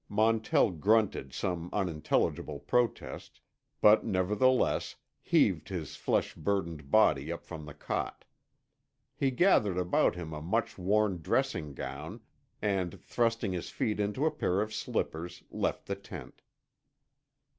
Montell grunted some unintelligible protest, but nevertheless, heaved his flesh burdened body up from the cot. He gathered about him a much worn dressing gown, and, thrusting his feet into a pair of slippers, left the tent.